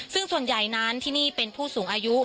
ซึ่งส่วนใหญ่นั้นที่นี่เป็นผู้สูงอายุ